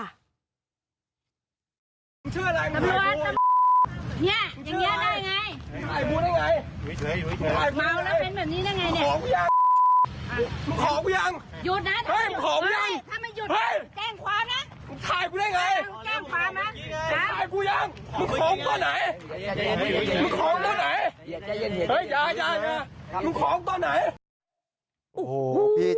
มึงเชื่ออะไรมึงเชื่อนี่อย่างเงี้ยได้ไงมึงถ่ายกูได้ไง